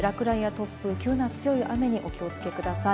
落雷や突風、急な強い雨にお気をつけください。